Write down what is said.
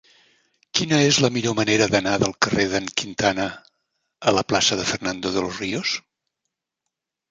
Quina és la millor manera d'anar del carrer d'en Quintana a la plaça de Fernando de los Ríos?